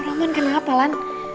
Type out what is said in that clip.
roman kenapa lan